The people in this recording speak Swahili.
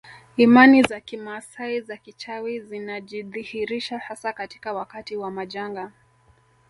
Imani za kimaasai za kichawi zinajidhihirisha hasa katika wakati wa majanga